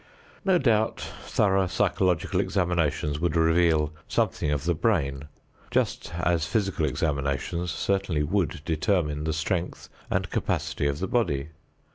No doubt thorough psychological examinations would reveal something of the brain, just as physical examinations certainly would determine the strength and capacity of the body.